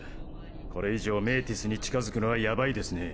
これ以上メーティスに近づくのはやばいですね。